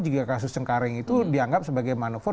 juga kasus cengkaring itu dianggap sebagai manuver